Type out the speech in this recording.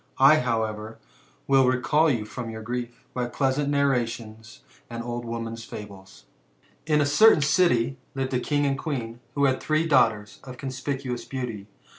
I, however, will reicall you from your grief^ by pleasant narrations, and old women's foMes. *' In a oertftin city lived a king and queen, who had three daughtera of com^icuous beauty.